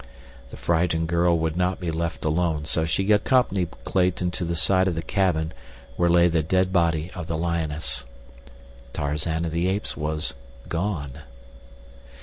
The frightened girl would not be left alone, so she accompanied Clayton to the side of the cabin where lay the dead body of the lioness. Tarzan of the Apes was gone.